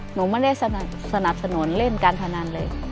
หนูไม่ได้สนับสนุนเล่นการพนันเลย